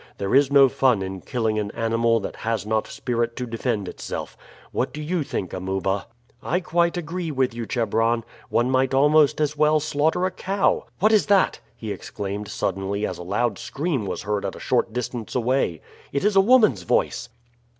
There is no fun in killing an animal that has not spirit to defend itself. What do you think, Amuba?" "I quite agree with you, Chebron. One might almost as well slaughter a cow. What is that?" he exclaimed suddenly as a loud scream was heard at a short distance away. "It is a woman's voice."